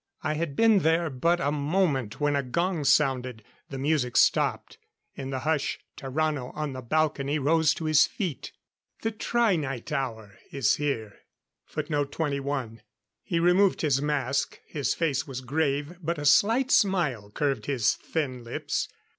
I had been there but a moment when a gong sounded. The music stopped. In the hush Tarrano, on the balcony, rose to his feet. "The tri night hour is here." He removed his mask; his face was grave, but a slight smile curved his thin lips.